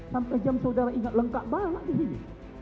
sampai jam saudara ingat lengkap banget disini